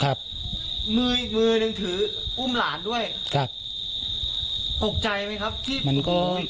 ทำเมื่อดังถืออุ้มหลานด้วยพบใจไหมครับที่มันเบ็ด